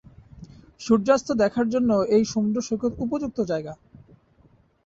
সূর্যাস্ত দেখার জন্য এই সমুদ্র সৈকত উপযুক্ত জায়গা।